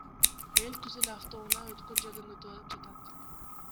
Эл түз эле автоунаа өткөн жерден өтүп жатат.